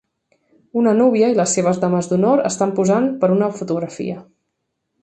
Una núvia i les seves dames d'honor estan posant per una fotografia.